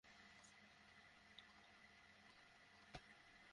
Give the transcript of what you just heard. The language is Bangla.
এইজন্য আমরা এখানে এসেছি এই যুদ্ধে আমাদের দুটো ডিউটি আছে প্রথমটাঃ রেকি সর্টিস।